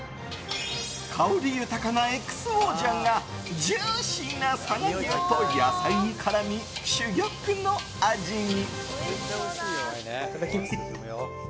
香り豊かなＸＯ醤がジューシーな佐賀牛と野菜に絡み珠玉の味に。